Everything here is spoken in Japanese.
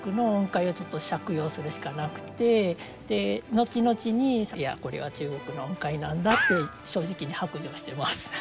後々にいやこれは中国の音階なんだって正直に白状しています。